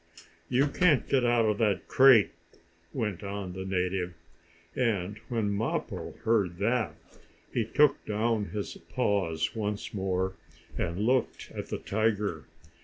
"You can't get out of that crate!" went on the native, and when Mappo heard that, he took down his paws once more, and looked at the tiger.